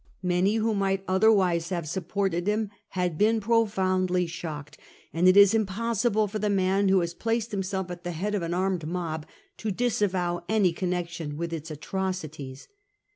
Many who might otherwise have supported him had been profoundly shocked, and it is impossible for the man who has placed himself at the head of an armed mob to disavow any connection with its atrocities.